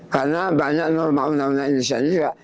karena banyak norma norma indonesia ini